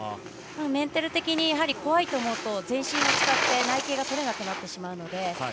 メンタル的に怖いと思うと全身を使って内傾が取れなくなってしまうので。